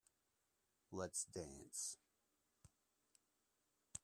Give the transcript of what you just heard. Let's dance.